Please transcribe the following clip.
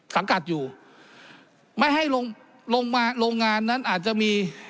สังกัดอยู่ไม่ให้ลงลงมาโรงงานนั้นอาจจะมี